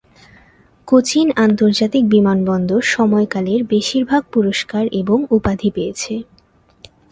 কোচিন আন্তর্জাতিক বিমানবন্দর সময়কালের বেশিরভাগ পুরস্কার এবং উপাধি পেয়েছে।